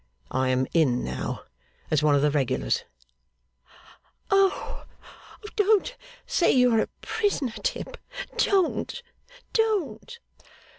I am in now, as one of the regulars.' 'Oh! Don't say you are a prisoner, Tip! Don't, don't!